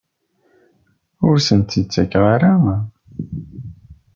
Ur asen-tt-id-tettak ara?